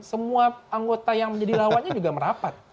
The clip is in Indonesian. semua anggota yang menjadi lawannya juga merapat